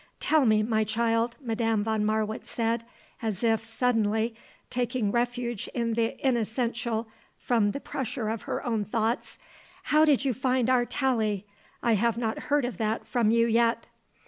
"Tell me, my child," Madame von Marwitz said, as if, suddenly, taking refuge in the inessential from the pressure of her own thoughts, "how did you find our Tallie? I have not heard of that from you yet."